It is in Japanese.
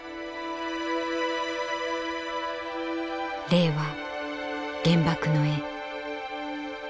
「令和原爆の絵」。